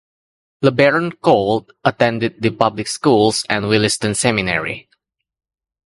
LeBaron Colt attended the public schools and Williston Seminary.